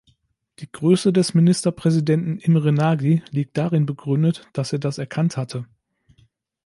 Die Größe des Ministerpräsidenten Imre Nagy liegt darin begründet, dass er das erkannt hatte.